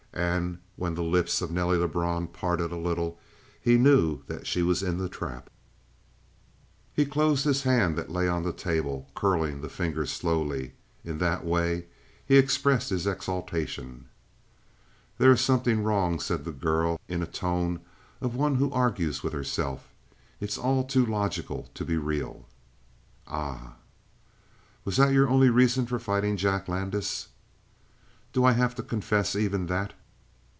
And when the lips of Nelly Lebrun parted a little, he knew that she was in the trap. He closed his hand that lay on the table curling the fingers slowly. In that way he expressed all his exultation. "There is something wrong," said the girl, in a tone of one who argues with herself. "It's all too logical to be real." "Ah?" "Was that your only reason for fighting Jack Landis?" "Do I have to confess even that?"